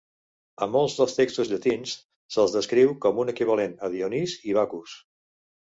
A molts dels textos llatins se'l descriu com un equivalent a Dionís i Baccus.